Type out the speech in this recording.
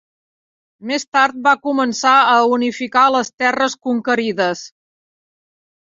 Més tard va començar a unificar les terres conquerides.